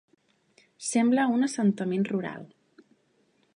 Sembla un assentament rural.